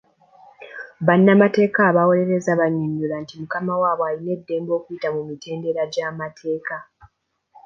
Bannamateeka abawoloreza bannyonnyola nti mukama waabwe alina eddembe okuyita mu mitendera gy'amateeka.